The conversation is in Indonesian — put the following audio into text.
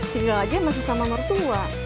tinggal aja masih sama mertua